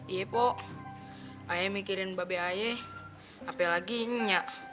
iya po ayah mikirin bapak bapak ayah apalagi ini